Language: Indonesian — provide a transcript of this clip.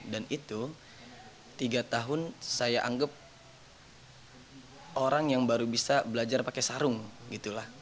dan itu tiga tahun saya anggap orang yang baru bisa belajar pakai sarung